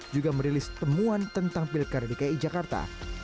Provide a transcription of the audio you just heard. juga merilis temuan tentang pilkada dki jakarta